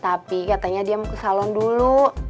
tapi katanya dia mau ke salon dulu